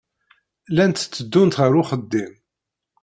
Llant tteddunt ɣer uxeddim.